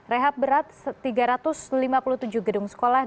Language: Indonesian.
rehab berat tiga ratus lima puluh tujuh gedung sekolah